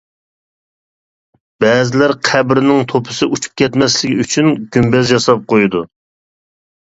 بەزىلەر قەبرىنىڭ توپىسى ئۇچۇپ كەتمەسلىكى ئۈچۈن گۈمبەز ياساپ قويىدۇ.